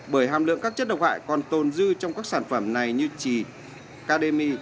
bởi hàm lượng các chất độc hại còn tồn dư trong các sản phẩm này như trì cademy